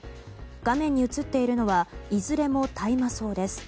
画面に映っているのはいずれも大麻草です。